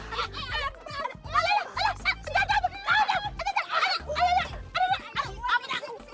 mau kemana bang